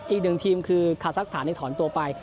อีกหนึ่งทีมคือคาซักสถานในถอนตัวไป